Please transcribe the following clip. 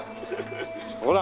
ほら！